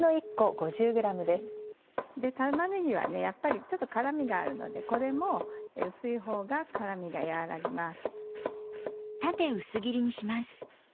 玉ねぎはやっぱりちょっと辛みがあるのでこれも薄いほうが辛みが和らぎます。